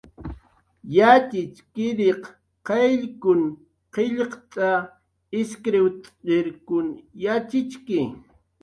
Yatxchiriq qayllkun qillqt'a, iskriwt'kun yatxichki